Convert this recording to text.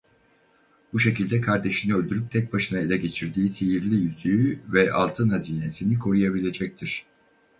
Bu şekilde kardeşini öldürüp tek başına eline geçirdiği sihirli yüzüğü ve altın hazinesini koruyabilecektir.